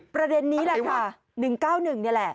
ประเด็นนี้แหละค่ะ๑๙๑นี่แหละ